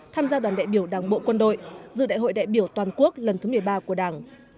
tham gia đoàn đại biểu đảng bộ quân đội dự đại hội đại biểu toàn quốc lần thứ một mươi ba của đảng